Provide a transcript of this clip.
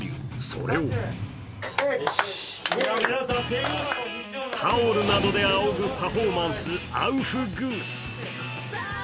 それをタオルなどで仰ぐパフォーマンス、アウフグース。